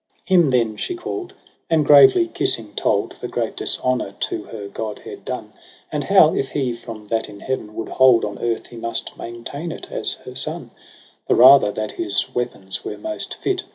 20 Him then she cali'd, and gravely kissing told The great dishonour to her godhead done ; And how, if he from that in heaven would hold. On earth he must maintain it as her son ; The rather that his weapons were most fit.